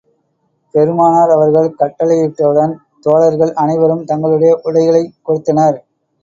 பெருமானார் அவர்கள் கட்டளையிட்டவுடன் தோழர்கள், அனைவரும் தங்களுடைய உடைகளைக் கொடுத்தனர்.